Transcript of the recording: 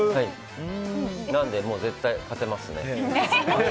なので、絶対勝てますね。